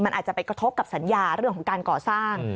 มันอาจจะไปกระทบกับสัญญาเรื่องของการก่อสร้าง